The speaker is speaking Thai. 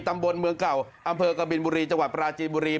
ตำบลเมืองเก่าอำเภอกบินบุรีจังหวัดปราจีนบุรี